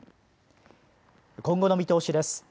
今後の見通しです。